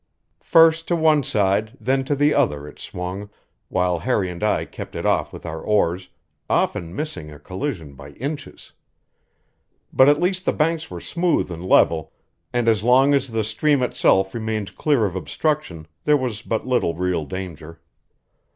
First to one side, then to the other, it swung, while Harry and I kept it off with our oars, often missing a collision by inches. But at least the banks were smooth and level, and as long as the stream itself remained clear of obstruction there was but little real danger.